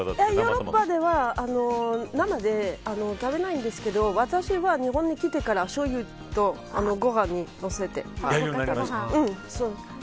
ヨーロッパでは生で食べないんですけど私は日本に来てからしょうゆとご飯にのせて食べるようになりました。